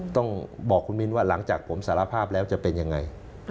ต้องบอกคุณมิ้นว่าหลังจากผมสารภาพแล้วจะเป็นยังไง